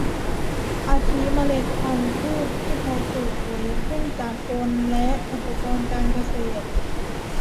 อาทิเมล็ดพันธุ์ พื้นที่เพาะปลูก ปุ๋ย เครื่องจักรกลและอุปกรณ์การเกษตร